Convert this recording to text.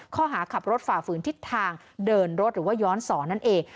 ข้อหาขับรถฝ่าฝืนทิศทางเดินรถหรือว่าย้อนสอนนั่นเอง